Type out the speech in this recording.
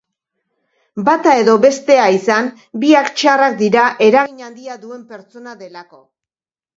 Bata edo bestea izan, biak txarrak dira eragin handia duen pertsona delako.